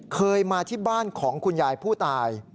เคยมาที่บ้านของคุณยายผู้ตาย